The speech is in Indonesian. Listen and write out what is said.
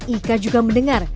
ika juga mendengar